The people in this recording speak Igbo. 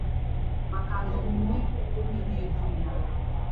maka na omume onye na-edu ya.